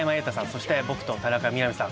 そして僕と田中みな実さん。